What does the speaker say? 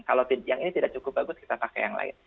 kalau yang ini tidak cukup bagus kita pakai yang lain